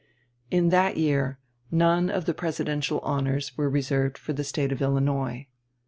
In that year none of the presidential honors were reserved for the State of Illinois.